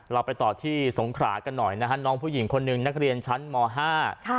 เราไปต่อที่สงขรากันหน่อยนะฮะน้องผู้หญิงคนหนึ่งนักเรียนชั้นมห้าค่ะ